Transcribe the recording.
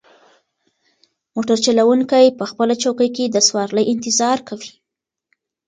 موټر چلونکی په خپله چوکۍ کې د سوارلۍ انتظار کوي.